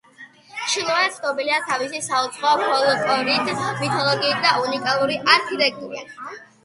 ჩილოე ცნობილია თავისი საუცხოო ფოლკლორით, მითოლოგიით და უნიკალური არქიტექტურით.